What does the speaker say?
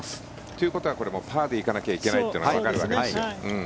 ということはもうパーで行かなきゃいけないというのはわかるわけですよ。